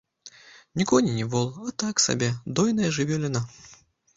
Не конь і не вол, а так сабе, дойная жывёліна.